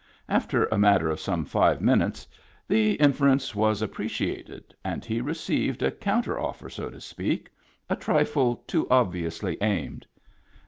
After a matter of some five minutes the infer ence was appreciated, and he received a counter offer, so to speak, a trifle too obviously aimed.